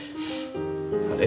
あれ？